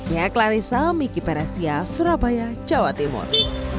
ya clarissa miki peresia surabaya jawa timur